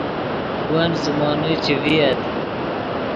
ون زیمونے چے ڤییت